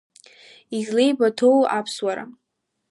Излеибыҭоуи аԥсуара?